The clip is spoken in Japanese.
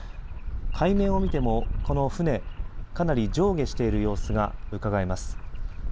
海面を見ても、この船かなり上下している様子がうかがえます。